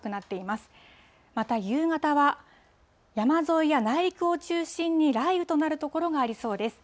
また夕方は、山沿いや内陸を中心に雷雨となる所がありそうです。